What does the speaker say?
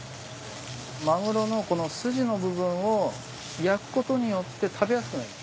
マグロのこの筋の部分を焼くことによって食べやすくなります。